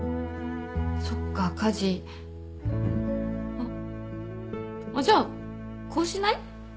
あっあっじゃあこうしない？